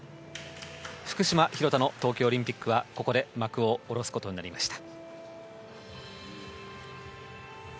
福島、廣田の東京オリンピックはここで幕を下ろすことになりました。